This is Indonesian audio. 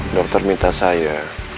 dokter minta saya